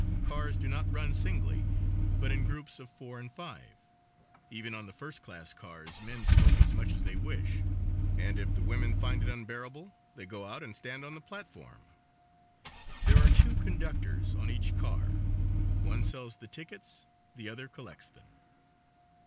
Cars do not run singly, but in groups of four and five. Even on the first class cars men smoke as much as they wish, and if the women find it unbearable they go out and stand on the platform; there are two conductors on each car; one sells the tickets, the other collects them.